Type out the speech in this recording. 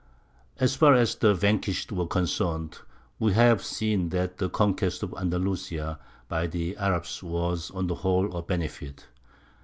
As far as the vanquished were concerned, we have seen that the conquest of Andalusia by the Arabs was on the whole a benefit.